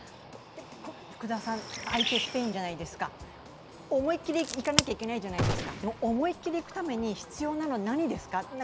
相手はスペインじゃないですか思いっきりいかなきゃいけないじゃないですか、思いっきりいくために必要なのは何ですか？